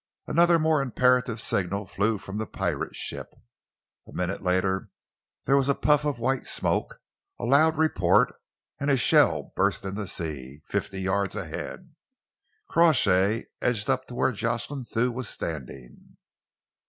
Another more imperative signal flew from the pirate ship. A minute later there was a puff of white smoke, a loud report, and a shell burst in the sea, fifty yards ahead. Crawshay edged up to where Jocelyn Thew was standing.